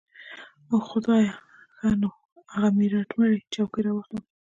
اوح خدايه ښه نو اغه ميراتمړې چوکۍ راواخله.